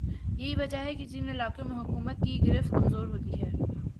یہی وجہ ہے کہ جن علاقوں میں حکومت کی گرفت کمزور ہوتی ہے